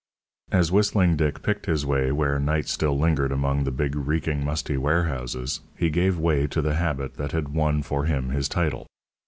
As Whistling Dick picked his way where night still lingered among the big, reeking, musty warehouses, he gave way to the habit that had won for him his title.